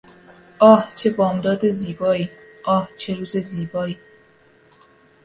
آه چه بامداد زیبایی! آه چه روز زیبایی!